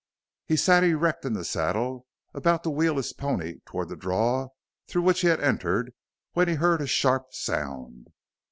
He sat erect in the saddle, about to wheel his pony toward the draw through which he had entered, when he heard a sharp sound.